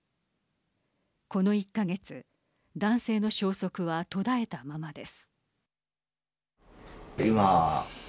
この１か月男性の消息は途絶えたままです。